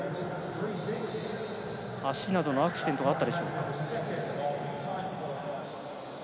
足などのアクシデントがあったでしょうか。